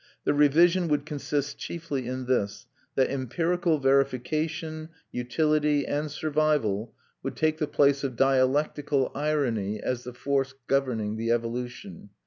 The revision would consist chiefly in this, that empirical verification, utility, and survival would take the place of dialectical irony as the force governing the evolution.